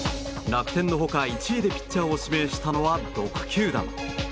楽天の他１位でピッチャーを指名したのは６球団。